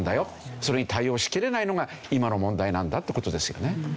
それに対応しきれないのが今の問題なんだって事ですよね。